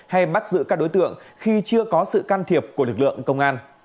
hay bắt giữ các đối tượng khi chưa có sự can thiệp của lực lượng công an